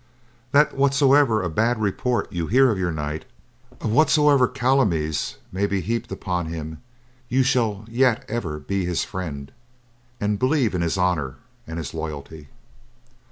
"That whatsoever a bad report you hear of your knight, of whatsoever calumnies may be heaped upon him, you shall yet ever be his friend, and believe in his honor and his loyalty."